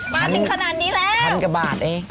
มาถึงขนาดนี้แล้วครั้นกระบาดเอง